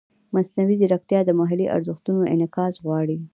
مصنوعي ځیرکتیا د محلي ارزښتونو انعکاس غواړي.